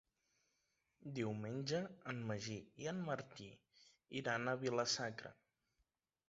Diumenge en Magí i en Martí iran a Vila-sacra.